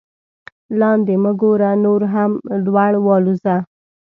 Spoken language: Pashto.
لاندې مه ګوره نور هم لوړ والوځه.